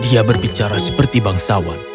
dia berbicara seperti bangsawan